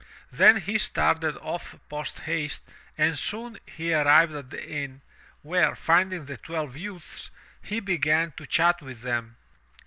Then he started off post haste and soon he arrived at the inn, where, finding the twelve youths, he began to chat with them.